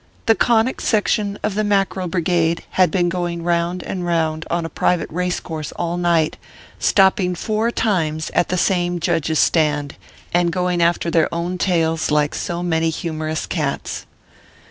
The Conic Section of the Mackerel Brigade had been going round and round on a private race course all night, stopping four times at the same judge s stand, and going after their own tails, like so many humorous cats.